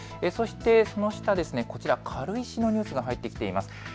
そしてその下、軽石のニュースが入ってきています。